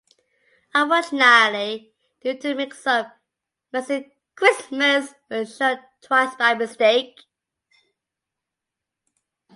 Unfortunately, due to a mix up, "Messy Xmas" was shown twice by mistake.